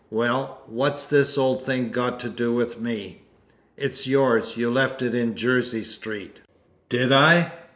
"Well, what's this old thing got to do with me?" "It's yours; you left it in Jersey Street!" "Did I?